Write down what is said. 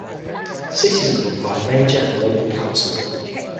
Cities are governed by a mayor and local council.